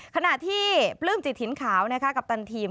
ขณะที่ปลื้มจิตถิ่นขาวกัปตันทีม